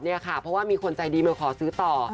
เพราะว่ามีคนใจดีมาขอซื้อต่อ